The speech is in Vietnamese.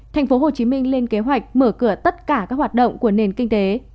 tp hcm lên kế hoạch mở cửa tất cả các hoạt động của nền kinh tế